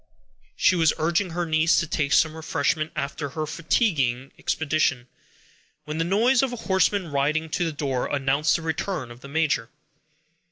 She was urging her niece to take some refreshment after her fatiguing expedition, when the noise of a horseman riding to the door, announced the return of the major.